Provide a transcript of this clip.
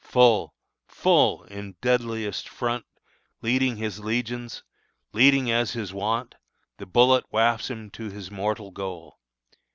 Full, full in deadliest front Leading his legions, leading as his wont, The bullet wafts him to his mortal goal!